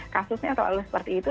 kasusnya selalu seperti itu